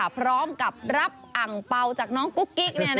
พร้อมกับรับอังเปล่าจากน้องกุ๊กกิ๊ก